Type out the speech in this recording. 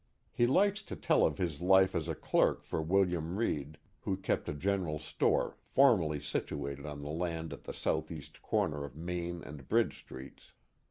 He likes to tell of his life as a clerk for William Reid, who kept a general store formerly situated on the land at the southeast corner of Main and Bridge Streets.